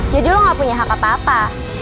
jadi lo gak punya hak apa apa